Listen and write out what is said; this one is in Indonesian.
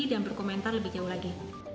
dan berkomentar lebih jauh lagi